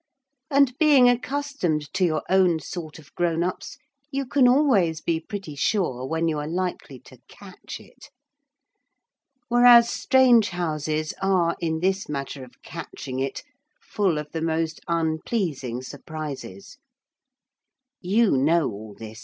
And, being accustomed to your own sort of grown ups, you can always be pretty sure when you are likely to catch it. Whereas strange houses are, in this matter of catching it, full of the most unpleasing surprises. You know all this.